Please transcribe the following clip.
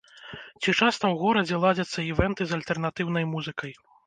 Ці часта ў горадзе ладзяцца івэнты з альтэрнатыўнай музыкай?